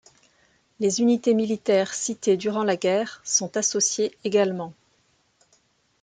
Les unités militaires citées durant la guerre sont associées également.